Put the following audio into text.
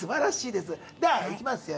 ではいきますよ